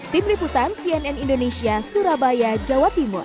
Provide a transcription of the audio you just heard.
tim liputan cnn indonesia surabaya jawa timur